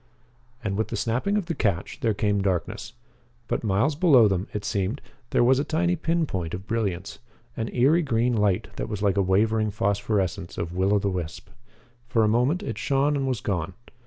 And, with the snapping of the catch, there came darkness. But, miles below them, it seemed, there was a tiny pin point of brilliance an eery green light that was like a wavering phosphorescence of will o' the wisp. For a moment it shone and was gone.